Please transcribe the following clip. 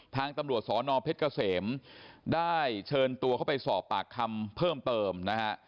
ทางตำรวจสอนอเพชรเกษมได้เชิญตัวเข้าไปสอบปากคำเพิ่มเติมนะฮะ